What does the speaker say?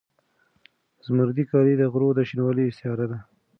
زمردي کالي د غرو د شینوالي استعاره ده.